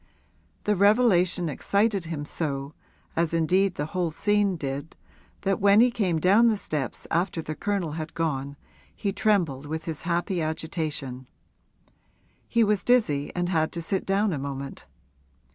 The revelation excited him so as indeed the whole scene did that when he came down the steps after the Colonel had gone he trembled with his happy agitation; he was dizzy and had to sit down a moment.